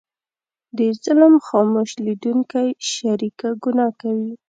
د ظلم خاموش لیدونکی شریکه ګناه کوي.